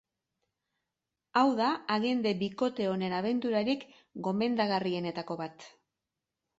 Hau da agente bikote honen abenturarik gomendagarrienetako bat.